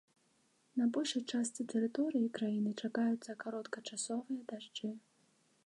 На большай частцы тэрыторыі краіны чакаюцца кароткачасовыя дажджы.